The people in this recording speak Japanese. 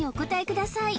ください